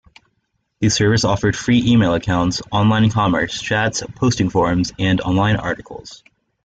The service offered free email accounts, online commerce, chats, posting forums, and online articles.